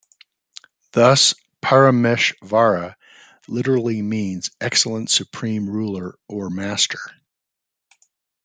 Thus Parameshvara literally means 'Excellent Supreme Ruler or Master'.